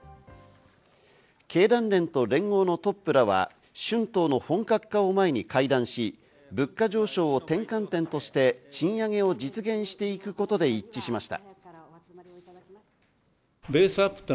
経団連と連合のトップらは春闘の本格化を前に会談し、物価上昇を転換点として賃上げを実現していくことで一致しました。